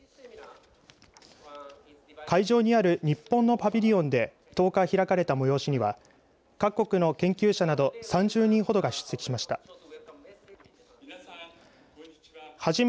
会場にある日本のパビリオンで１０日開かれた催しには各国の研究者など３０人ほどが出席しました。